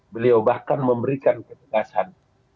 beliau bahkan memberikan kecerdasan